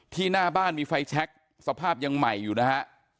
หน้าบ้านมีไฟแชคสภาพยังใหม่อยู่นะฮะ